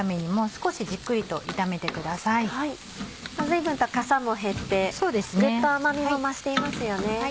随分とかさも減ってぐっと甘みも増していますよね。